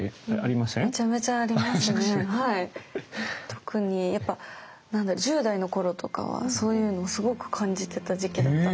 特にやっぱ１０代の頃とかはそういうのをすごく感じてた時期だったので。